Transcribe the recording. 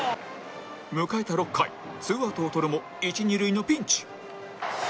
迎えた６回ツーアウトをとるも一二塁のピンチ